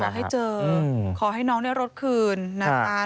ขอให้เจอขอให้น้องได้รถคืนนะคะ